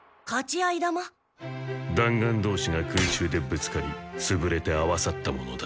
弾丸どうしが空中でぶつかりつぶれて合わさったものだ。